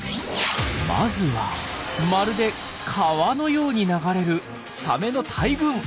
まずはまるで川のように流れるサメの大群。